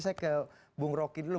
saya ke bung roky dulu